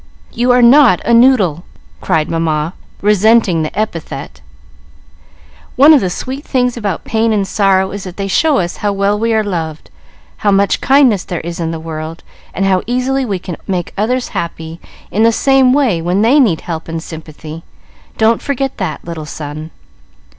"You are not a noodle!" cried Mamma, resenting the epithet. "One of the sweet things about pain and sorrow is that they show us how well we are loved, how much kindness there is in the world, and how easily we can make others happy in the same way when they need help and sympathy. Don't forget that, little son."